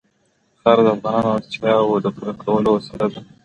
خاوره د افغانانو د اړتیاوو د پوره کولو وسیله ده.